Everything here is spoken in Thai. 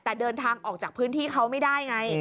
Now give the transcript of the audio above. แต่เดินทางออกจากพื้นที่เขาไม่ได้ไง